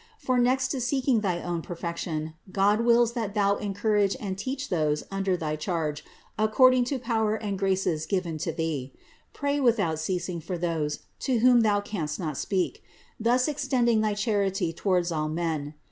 For next to seeking thy own perfection, God wills that thou encourage and teach those under thy charge according to power and graces given to thee. Pray without ceasing for those to whom thou canst not speak; thus extend ing thy charity towards all men.